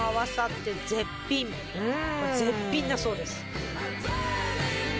絶品だそうです。